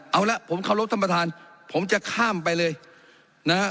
เอาละผมเคารพธรรมฐานผมจะข้ามไปเลยนะ